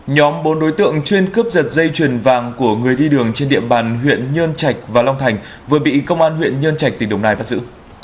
nhóm bốn đối tượng chuyên cướp giật dây chuyền vàng của người đi đường trên địa bàn huyện nhơn trạch và long thành vừa bị công an huyện nhân trạch tỉnh đồng nai bắt giữ